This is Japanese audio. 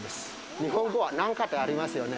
日本語は「何か」ってありますよね。